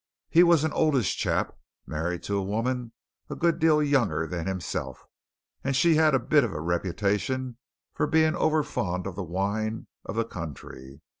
He was an oldish chap, married to a woman a good deal younger than himself, and she had a bit of a reputation for being overfond of the wine of the country.